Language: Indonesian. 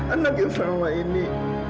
anak yang selama ini